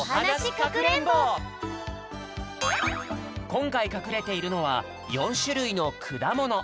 こんかいかくれているのは４しゅるいのくだもの。